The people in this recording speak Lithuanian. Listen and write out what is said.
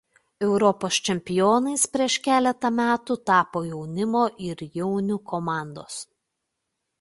Europos čempionais prieš keletą metų tapo jaunimo ir jaunių komandos.